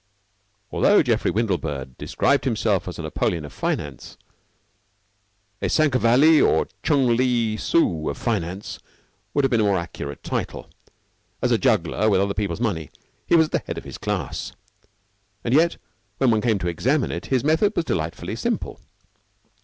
Altho Geoffrey Windlebird described himself as a Napoleon of Finance, a Cinquevalli or Chung Ling Soo of Finance would have been a more accurate title. As a juggler with other people's money he was at the head of his class. And yet, when one came to examine it, his method was delightfully simple.